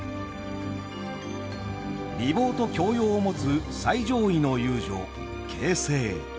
美貌と教養を持つ最上位の遊女傾城。